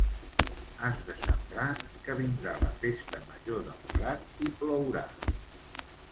Has de sembrar, que vindrà la festa major del Prat i plourà.